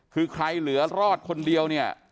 คือใครเหลือรอดคนเดียวเนี่ย